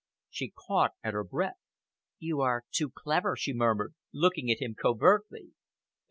She caught at her breath. "You are too clever," she murmured, looking at him covertly.